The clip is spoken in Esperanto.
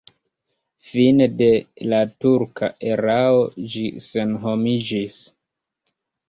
Fine de la turka erao ĝi senhomiĝis.